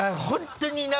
本当に。